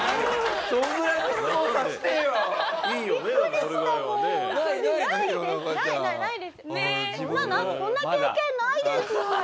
そんな経験ないです。